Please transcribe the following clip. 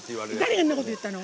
そんなこと言ったの！